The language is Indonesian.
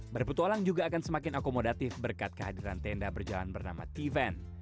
berpetualang juga akan semakin akomodatif berkat kehadiran tenda berjalan bernama t van